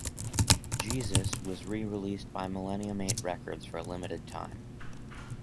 "Jesus" was rereleased by Millennium Eight Records for a limited time.